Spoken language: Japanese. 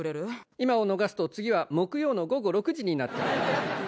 今を逃すと次は木曜の午後６時になっちゃう。